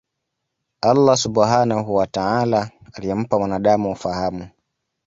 Allaah Subhaanahu wa Taala Aliyempa mwanaadamu ufahamu